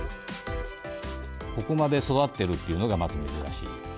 ここまで育ってるっていうのが、まず珍しい。